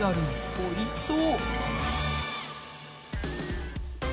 おいしそう。